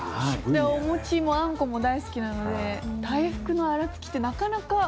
お餅もあんこも大好きなので大福の粗搗きってなかなか。